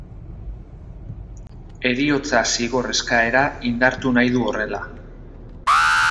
Heriotza zigor eskaera indartu nahi du horrela.